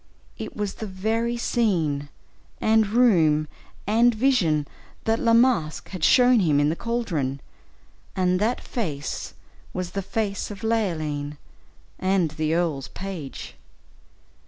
It was the very scene, and room, and vision, that La Masque had shown him in the caldron, and that face was the face of Leoline, and the earl's page.